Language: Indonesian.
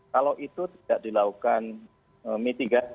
kalau itu tidak dilakukan mitigasi